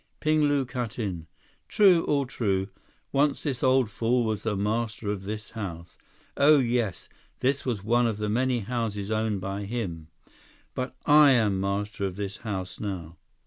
Ping Lu cut in. "True, all true. Once this old fool was the master of this house. Oh yes, this was one of the many houses owned by him. But I am master of this house now.